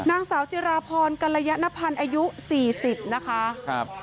นางสาวจิราพรกัลยนพันธ์อายุสี่สิบนะคะครับ